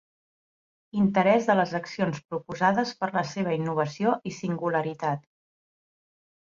Interès de les accions proposades per la seva innovació i singularitat.